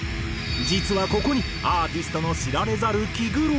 実はここにアーティストの知られざる気苦労が。